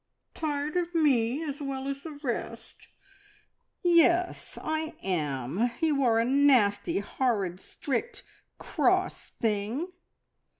"Tired of me as well as the rest?" "Yes, I am. You are a nasty, horrid, strict, cross thing."